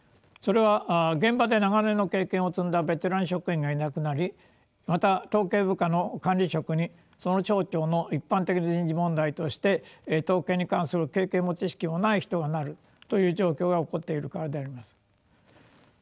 それは現場で長年の経験を積んだベテラン職員がいなくなりまた統計部課の管理職にその省庁の一般的な人事問題として統計に関する経験も知識もない人がなるという状況が起こっているからであります。